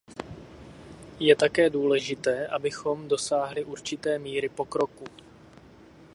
Je také důležité, abychom dosáhli určité míry pokroku.